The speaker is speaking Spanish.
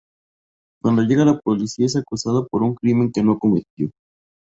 Cuando llega la policía es acusado por un crimen que no cometió.